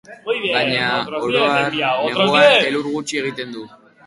Baina, oro har, neguan elur gutxi egiten du.